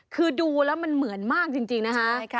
คือดูแล้วมันเหมือนมากจริงนะคะ